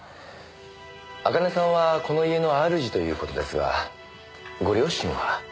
茜さんはこの家の主という事ですがご両親は？